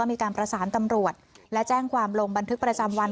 มีการประสานตำรวจและแจ้งความลงบันทึกประจำวัน